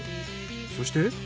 そして。